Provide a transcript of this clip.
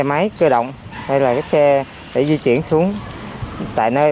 xe máy cơ động hay là cái xe để di chuyển xuống tại nơi